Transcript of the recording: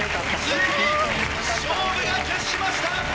ついに勝負が決しました！